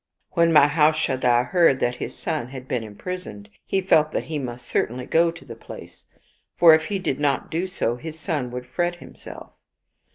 When Mahaushadha heard that his son had been impris oned, he felt that he must certainly go to the palace, for if he did not do so his son would fret himself.